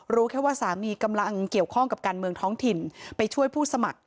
รู้แค่ว่าสามีกำลังเกี่ยวข้องกับการเมืองท้องถิ่นไปช่วยผู้สมัคร